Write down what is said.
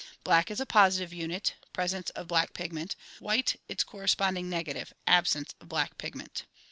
Black is a positive unit (presence of black pigment), white its corresponding negative (absence of black pigment)."